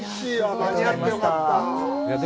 間に合ってよかった。